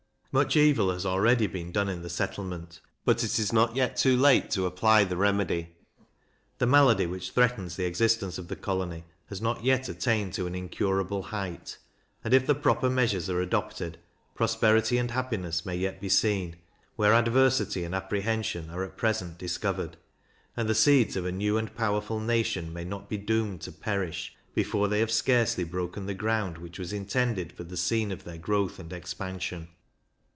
Much evil has already been done in the settlement, but it is not yet too late to apply the remedy; the malady which threatens the existence of the colony has not yet attained to an incurable height, and if the proper measures are adopted, prosperity and happiness may yet be seen, where adversity and apprehension are at present discovered; and the seeds of a new and powerful nation may not be doomed to perish, before they have scarcely broken the ground which was intended for the scene of their growth and expansion.